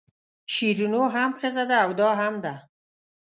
شیرینو هم ښځه ده او دا هم ده.